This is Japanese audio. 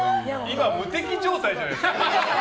今、無敵状態じゃないですか。